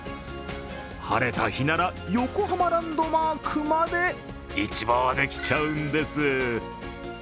晴れた日なら、横浜ランドマークまで一望できちゃうんです。